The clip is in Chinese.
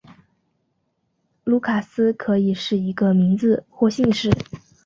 卢卡斯可以是一个名字或姓氏。